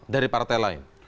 dari partai lain